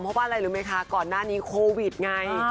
เพราะว่าอะไรรู้ไหมคะก่อนหน้านี้โควิดไง